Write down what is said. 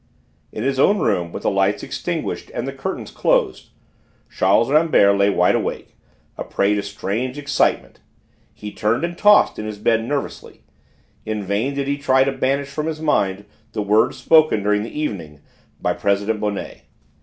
In his own room, with the lights extinguished and the curtains closed, Charles Rambert lay wide awake, a prey to strange excitement. He turned and tossed in his bed nervously. In vain did he try to banish from his mind the words spoken during the evening by President Bonnet.